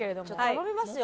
頼みますよ！